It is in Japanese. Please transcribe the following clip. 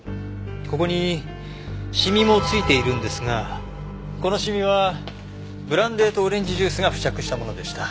ここにシミもついているんですがこのシミはブランデーとオレンジジュースが付着したものでした。